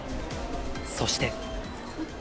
そして。